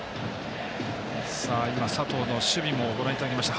今、佐藤の守備もご覧いただきました。